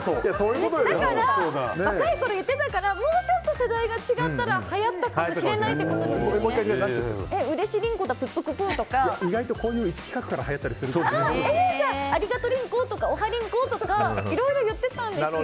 若いころ言ってたからもうちょっと世代が違ったらはやったかもしれない意外と、こういうところからありがとりんことかおはりんことかいろいろ言ってたんですよ。